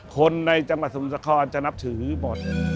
คนในจังหวัดสมุทรสครจะนับถือหมด